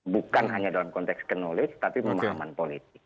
bukan hanya dalam konteks knowledge tapi pemahaman politik